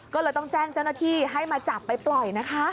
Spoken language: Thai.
ก็เลยต้องแจ้งเจ้าหน้าที่ให้มาจับไปปล่อยนะคะ